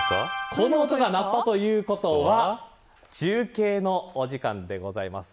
この音が鳴ったということは中継のお時間でございます。